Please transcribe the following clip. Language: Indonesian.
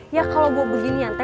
ya kalau gue beli nih ante